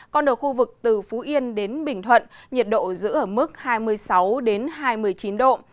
còn ở khu vực từ phú yên đến bình thuận nhiệt độ giữ ở mức hai mươi sáu hai mươi chín độ